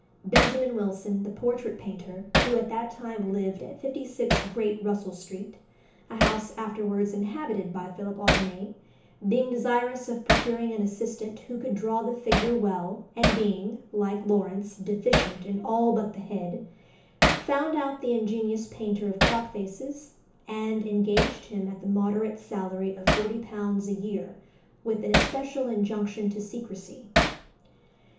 Benjamin Wilson, the portrait painter, who at that time lived at 56 Great Russell Street, a house afterwards inhabited by Philip Audinet, being desirous of procuring an assistant who could draw the figure well, and being, like Lawrence, deficient in all but the head, found out the ingenious painter of clock faces, and engaged him at the moderate salary of forty pounds a year, with an especial injunction to secrecy.